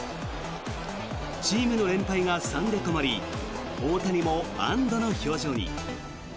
チームの連敗が３で止まり大谷も安どの表情に。